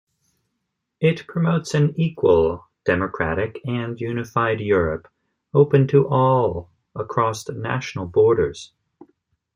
It promotes an equal, democratic and unified Europe, open to all across national borders.